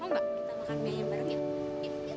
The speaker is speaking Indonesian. mau gak kita makan biaya bareng ini